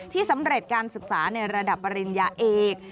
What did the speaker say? สำเร็จการศึกษาในระดับปริญญาเอก